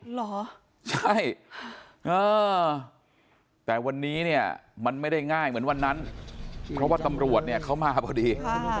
เหรอใช่เออแต่วันนี้เนี่ยมันไม่ได้ง่ายเหมือนวันนั้นเพราะว่าตำรวจเนี่ยเขามาพอดี